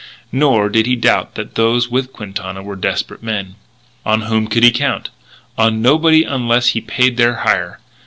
Nor did he doubt that those with Quintana were desperate men. On whom could he count? On nobody unless he paid their hire.